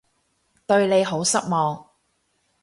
對你好失望